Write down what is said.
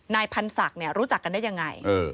นายพันธุ์ศักดิ์รู้จักกันได้อย่างไร